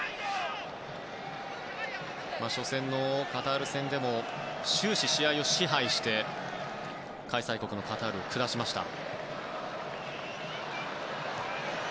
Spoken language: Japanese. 初戦のカタール戦でも終始、試合を支配して開催国のカタールを下しました。